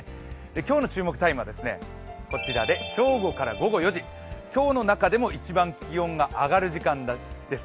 今日の注目タイムはこちら、正午から午後４時、今日の中でも一番気温が上がる時間です。